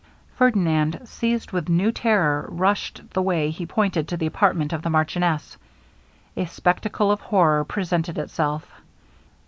Ferdinand, seized with new terror, rushed the way he pointed to the apartment of the marchioness. A spectacle of horror presented itself.